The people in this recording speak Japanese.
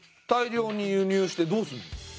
大量に輸入してどうするの？